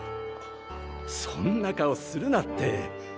そんな顔するなって。